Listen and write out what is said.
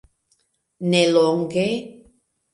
nelonge